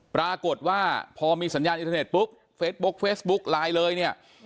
ปรากฏว่าพอมีสัญญาณอินเทอร์เน็ตปุ๊บเฟซบุ๊กเฟซบุ๊กไลน์เลยเนี่ย